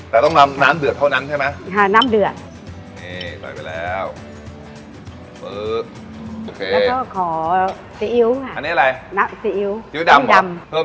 แต่ต้องนำน้ำเดือดเท่านั้นใช่ไหมน้ำเดือด